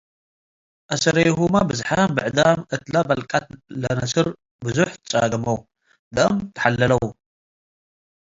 አሰሬሁመ ብዝሓም ብዕዳም እትለ በልቀት ለንስር ብዞሕ ትጻገመው፡ ደአም ተሐለ'ለው።